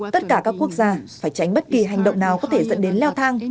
tất cả các quốc gia phải tránh bất kỳ hành động nào có thể dẫn đến leo thang